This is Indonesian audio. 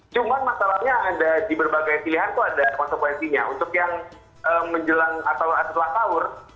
cuma masalahnya ada di berbagai pilihan tuh ada konsekuensinya untuk yang menjelang atau setelah awur